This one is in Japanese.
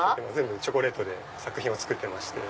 ⁉チョコレートで作品を作ってまして。